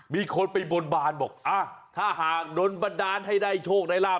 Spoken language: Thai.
มีคนไปบนบานบอกถ้าหากโดนบันดาลให้ได้โชคได้ลาบ